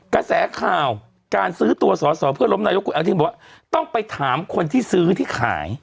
กระแสข่าวการซื้อตัวสอสอเพื่อล้มนายกคุณอนุทินบอกว่าต้องไปถามคนที่ซื้อที่ขาย